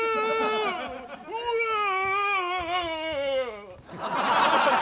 うわあ